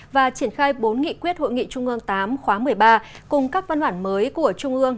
và triển khai bốn nghị quyết hội nghị trung ương tám khóa một mươi ba cùng các văn hoản mới của trung ương